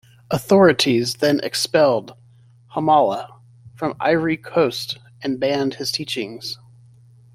Authorities then expelled Hamallah from Ivory Coast and banned his teachings.